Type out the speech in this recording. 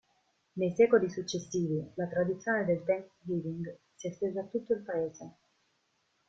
Nei secoli successivi la tradizione del "Thanksgiving" si estese a tutto il Paese.